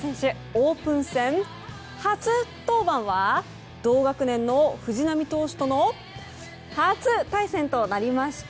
オープン戦初登板は同学年の藤浪投手との初対戦となりました。